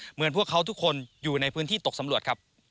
เหมือนพวกเขาทุกคนอยู่ในพื้นที่ตกสำรวจครับ